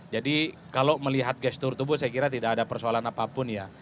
jadi kalau melihat gestur tubuh saya kira tidak ada persoalan apapun ya